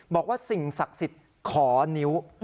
บอกว่าสิ่งศักดิ์สิทธิ์ขอนิ้ว